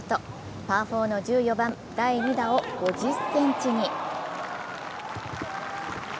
パー４の１４番・第２打を５０ｃｍに。